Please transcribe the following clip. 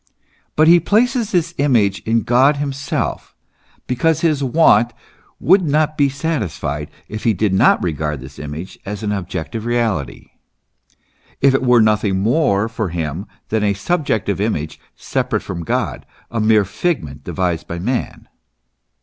f But he places this image in God himself, because his want would not be satisfied if he did not regard this image as an objective reality, if it were nothing more for him than a subjective image, separate from God, a mere figment devised by man.